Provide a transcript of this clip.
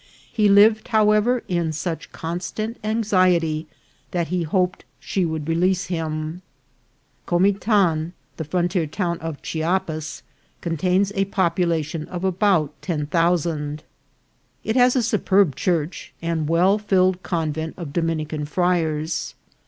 He lived, however, in such constant anxiety, that he hoped she would release him. Comitan, the frontier town of Chiapas, contains a population of about ten thousand. It has a superb church, and well filled convenf of Dominican friars.